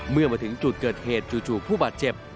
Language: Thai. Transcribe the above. เมื่อมาถึงจุดเกิดเหตุจู่ผู้บาดเจ็บ